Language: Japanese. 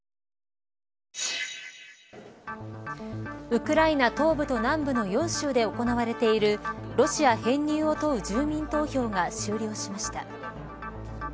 ウクライナ東部と南部の４州で行われているロシア編入を問う住民投票が終了しました。